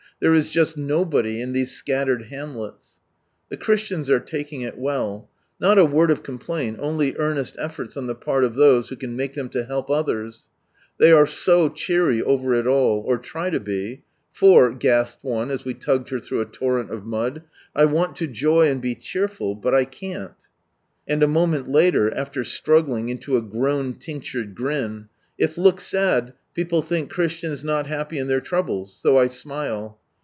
There is just nobody in these scattered hamlets. The Christians are taking it well : not a word of complaint, only earnest efforts on the part of those who can make them to help others. They are so cheery over it all, or try to be ; for, gasped one, as we tugged her through a torrent of mud — "I want to joy and be cheerful, but — I can't I" and a moment later, after strugghng into a groan tinctured grin —" If look sad, people thmk Christians not happy in their troubles, so I smile